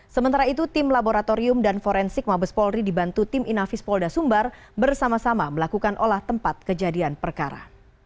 sementara itu tim laboratorium dan forensik mabes polri dibantu tim inafis polda sumbar bersama sama melakukan olah tempat kejadian perkara